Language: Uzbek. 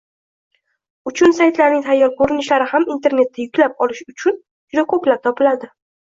Uchun saytlarning tayyor ko’rinishlari ham internetda yuklab olish uchun juda ko’plab topiladi